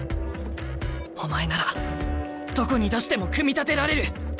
お前ならどこに出しても組み立てられる！